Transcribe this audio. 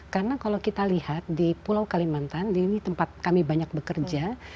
karena kalau kita lihat di pulau kalimantan ini tempat kami banyak bekerja